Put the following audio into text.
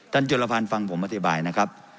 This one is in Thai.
จุลภัณฑ์ฟังผมอธิบายนะครับ